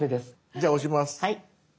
じゃあ押します。